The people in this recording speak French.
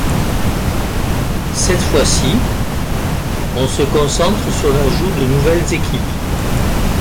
Cette fois, on se concentre sur l'ajout de nouvelles équipes.